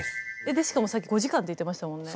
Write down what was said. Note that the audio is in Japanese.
でしかもさっき５時間って言ってましたもんね。